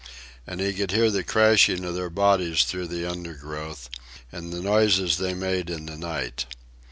And he could hear the crashing of their bodies through the undergrowth, and the noises they made in the night.